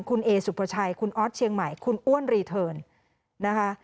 คุณเอสุภาชัยคุณออสเชียงใหม่คุณอ้วนรีเทิร์นนะคะ